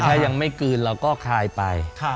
ถ้ายังไม่กลืนเราก็คลายไป